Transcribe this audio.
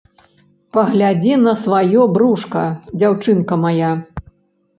Паглядзі на сваё брушка, дзяўчынка мая!